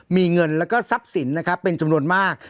มีเงินแล้วก็ทรัพย์สินนะครับเป็นจำนวนมาก